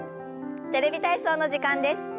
「テレビ体操」の時間です。